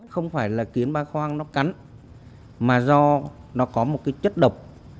không phải là kiến bạc khoang nó cắn mà do nó có một chất độc